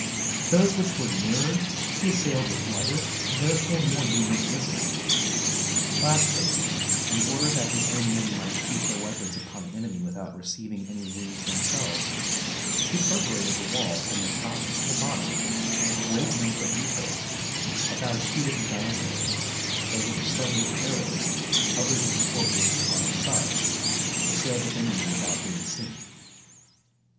Those which were nearer he assailed with lighter, and therefore more numerous missiles. Lastly, in order that his own men might heap their weapons upon the enemy without receiving any wounds themselves, he perforated the wall from the top to the bottom with a great number of loop holes, about a cubit in diameter, through which some 350 HOW ARCHIMEDES DEFENDED SYRACUSE with arrows, others with scorpions of moderate size, assailed the enemy without being seen.